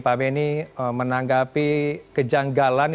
pak benny menanggapi kejanggalan